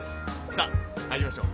さあ入りましょう！